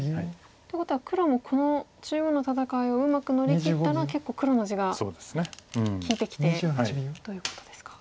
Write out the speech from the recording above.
ということは黒もこの中央の戦いをうまく乗り切ったら結構黒の地が利いてきてということですか。